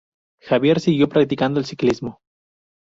Javier siguió practicando el ciclismo.